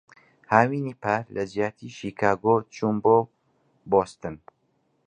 هاوینی پار، لەجیاتیی شیکاگۆ چووم بۆ بۆستن.